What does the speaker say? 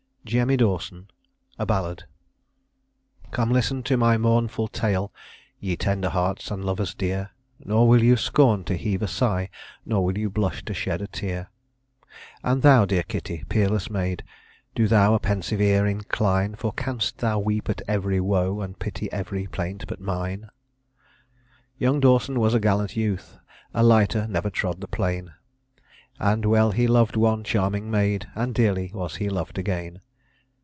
JEMMY DAWSON: A BALLAD. Come listen to my mournful tale, Ye tender hearts and lovers dear, Nor will you scorn to heave a sigh, Nor will you blush to shed a tear. And thou, dear Kitty, peerless maid, Do thou a pensive ear incline; For canst thou weep at every woe, And pity every 'plaint, but mine? Young Dawson was a gallant youth, A lighter never trod the plain; And well he loved one charming maid, And dearly was he loved again.